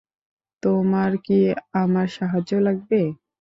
তোমার কি আমার সাহায্য লাগবে?